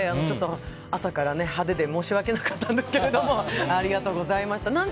ちょっと、朝から派手で申し訳なかったんですけどありがとうございました。